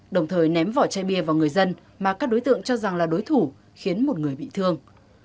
đồng thời ném vỏ chai bia vào người dân mà các đối tượng cho rằng là đối thủ khiến một người bị thương